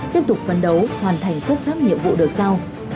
tiếp tục phấn đấu hoàn thành xuất sắc nhiệm vụ được giao